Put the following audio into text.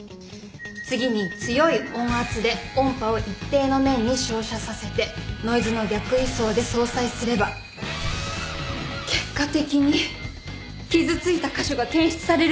次に強い音圧で音波を一定の面に照射させてノイズの逆位相で相殺すれば結果的に傷ついた箇所が検出されるでしょ。